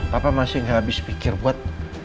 papa masih gak abis pikir buat